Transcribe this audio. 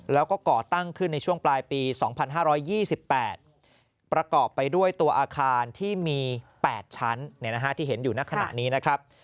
แล้วก็ก่อตั้งขึ้นในช่วงปลายปี๒๕๒๘ประกอบไปด้วยตัวอาคารที่มี๘ชั้นที่เห็นอยู่ในขณะนี้นะครับ